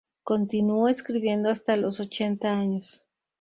Continuó escribiendo hasta los ochenta años.